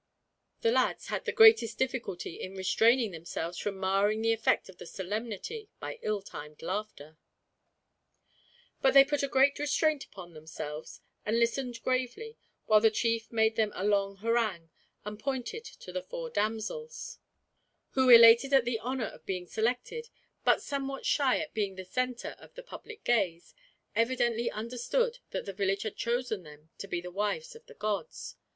The lads had the greatest difficulty in restraining themselves from marring the effect of the solemnity by ill timed laughter. But they put a great restraint upon themselves, and listened gravely while the chief made them a long harangue, and pointed to the four damsels; who, elated at the honor of being selected, but somewhat shy at being the center of the public gaze, evidently understood that the village had chosen them to be the wives of the gods.